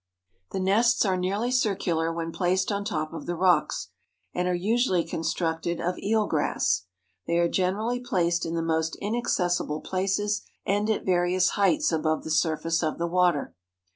The nests are nearly circular when placed on top of the rocks, and are usually constructed of eel grass. They are generally placed in the most inaccessible places and at various heights above the surface of the water.